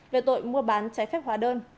về tội mua bán trái phép hóa đơn